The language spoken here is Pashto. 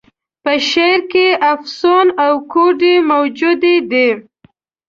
په شعر کي افسون او کوډې موجودي دي.